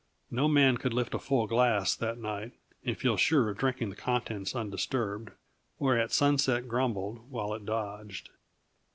No man could lift a full glass, that night, and feel sure of drinking the contents undisturbed; whereat Sunset grumbled while it dodged.